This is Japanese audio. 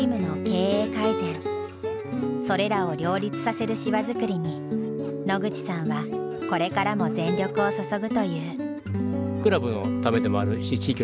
それらを両立させる芝作りに野口さんはこれからも全力を注ぐという。